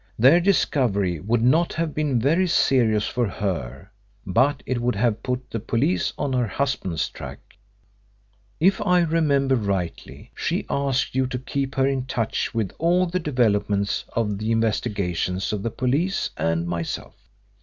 Their discovery would not have been very serious for her, but it would have put the police on her husband's track. If I remember rightly, she asked you to keep her in touch with all the developments of the investigations of the police and myself.